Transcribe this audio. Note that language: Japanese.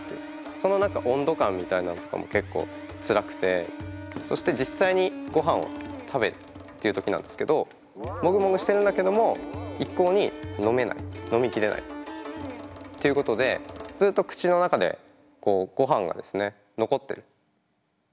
その何か温度感みたいなのとかも結構つらくてそして実際にごはんを食べるっていう時なんですけどもぐもぐしてるんだけども一向に飲めない飲みきれないっていうことでずっと口の中でごはんがですね残ってる。